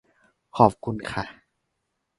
ขอบคุณค่ะ